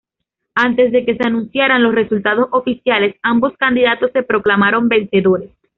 Antes de que se anunciaran los resultados oficiales, ambos candidatos se proclamaron vencedores.